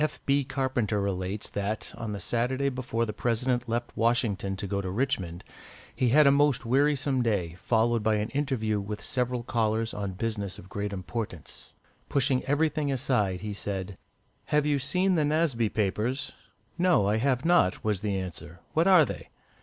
F. B. Carpenter relates that, on the Saturday before the President left Washington to go to Richmond, he had a most wearisome day, followed by an interview with several callers on business of great importance. Pushing everything aside, he said "Have you seen the 'Nasby Papers'?" "No, I have not," was the answer; "what are they?"